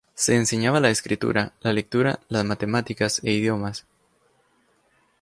Se enseñaba la escritura, la lectura, las matemáticas e idiomas.